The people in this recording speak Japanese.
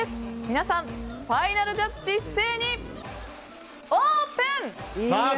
皆さん、ファイナルジャッジ一斉にオープン！